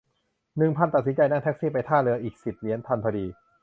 หนึ่งพัน ตัดสินใจนั่งแท็กซี่ไปท่าเรืออีก สิบ เหรียญทันพอดี